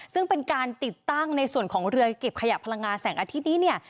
ซึ่งเป็นการติดตั้งในส่วนของเรือเก็บขยะพลังงานแสงอาทิตย์นี้เนี่ย